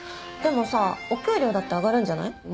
でもさお給料だって上がるんじゃない？